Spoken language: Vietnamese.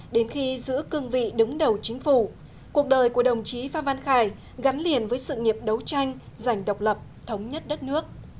đến khi giữ cương vị đứng đầu chính phủ cuộc đời của đồng chí phan văn khải gắn liền với sự nghiệp đấu tranh giành độc lập thống nhất đất nước